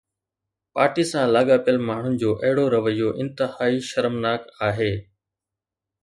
party سان لاڳاپيل ماڻهن جو اهڙو رويو انتهائي شرمناڪ آهي